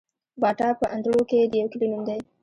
باټا په اندړو کي د يو کلي نوم دی